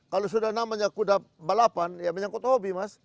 kalau sudah namanya kuda balapan ya menyangkut hobi mas